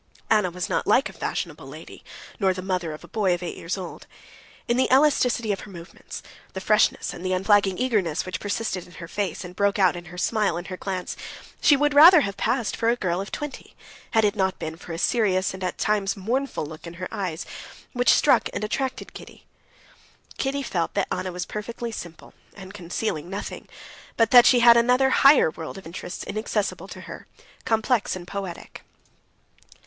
Anna was not like a fashionable lady, nor the mother of a boy of eight years old. In the elasticity of her movements, the freshness and the unflagging eagerness which persisted in her face, and broke out in her smile and her glance, she would rather have passed for a girl of twenty, had it not been for a serious and at times mournful look in her eyes, which struck and attracted Kitty. Kitty felt that Anna was perfectly simple and was concealing nothing, but that she had another higher world of interests inaccessible to her, complex and poetic.